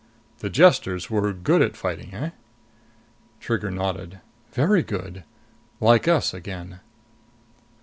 "The Jesters were good at fighting, eh?" Trigger nodded. "Very good. Like us, again."